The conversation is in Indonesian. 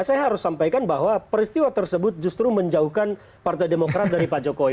saya harus sampaikan bahwa peristiwa tersebut justru menjauhkan partai demokrat dari pak jokowi